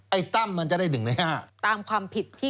ไอ้ตั้มมันจะได้๑ใน๕